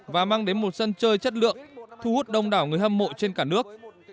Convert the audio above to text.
và mang đến một sân chơi chất lượng thu hút đông đảo người hâm mộ trên cả nước